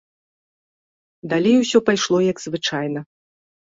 Далей усё пайшло, як звычайна.